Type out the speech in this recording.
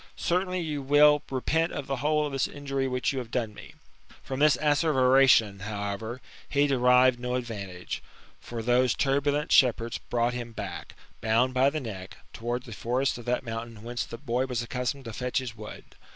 Certainly you will repent of the whole of this injury which you have done me." From this asservation, however, he derived no advantage ; for those turbulent shepherds brought him back, bound by the neck, towards the forests of that mountain whence the boy was accustomed to fetch his wood.